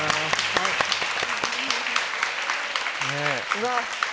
うわっ。